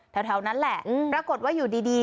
แถวนั้นแหละปรากฏว่าอยู่ดี